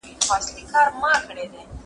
ژوند مي د هوا په لاس کي وليدی